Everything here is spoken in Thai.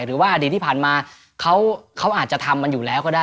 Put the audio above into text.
หรือว่าอดีตที่ผ่านมาเขาอาจจะทำมันอยู่แล้วก็ได้